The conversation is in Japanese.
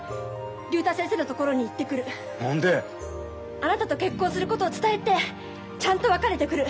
あなたと結婚することを伝えてちゃんと別れてくる。